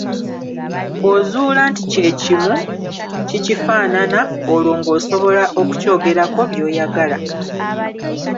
Bw'ozuula nti kye kimu, kikifaanana; olwo ng'osobola okukyogerako by'oyagala.